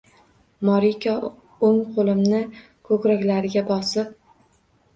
Moriko o‘ng qo‘limni ko‘raklariga bosib: